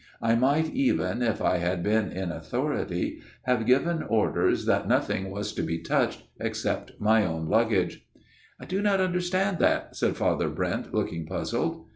I might even, if I had been in authority, have given orders ao (aooo). 298 A MIRROR OF SHALOTT that nothing was to be touched except my own luggage." " I do not understand that/' said Father Brent, looking puzzled.